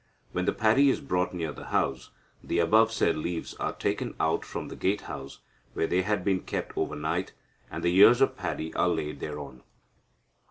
When the paddy is brought near the house, the above said leaves are taken out from the gate house, where they had been kept over night, and the ears of paddy are laid thereon.